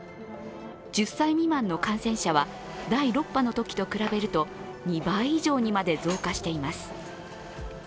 １０歳未満の感染者は、第６波のときと比べると、２倍以上にまで増加しています。